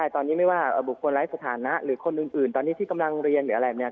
ตอนนี้ไม่ว่าบุคคลไลฟ์สถานะหรือคนอื่นตอนนี้ที่กำลังเรียน